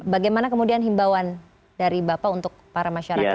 bagaimana kemudian himbauan dari bapak untuk para masyarakat